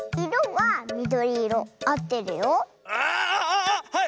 はい！